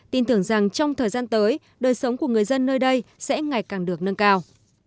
tin tưởng rằng trong thời gian tới đời sống của người dân nơi đây sẽ ngày càng được nâng cao